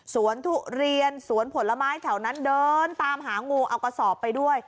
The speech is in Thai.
สวนทุเรียนสวนผลไม้แถวนั้นเดินตามหางูเอากระสอบไปด้วย